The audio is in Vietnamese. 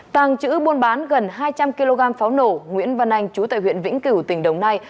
tàng trữ buôn bán gần hai trăm linh kg pháo nổ nguyễn văn anh chú tại huyện vĩnh cửu tỉnh đồng nai